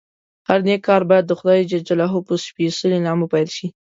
هر نېک کار باید دخدای په سپېڅلي نامه پیل شي.